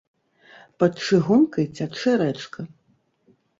Пад чыгункай цячэ рэчка.